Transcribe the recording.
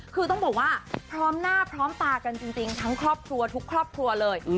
คือต้องบอกว่าพร้อมหน้าพร้อมตากันจริงทั้งครอบครัวทุกครอบครัวเลย